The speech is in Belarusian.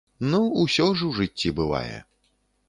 Ну, усё ж у жыцці бывае!